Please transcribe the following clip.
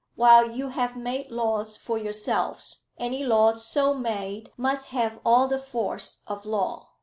While you have made laws for yourselves, any laws so made must have all the force of law."